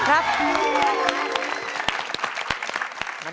หนึ่งหมาย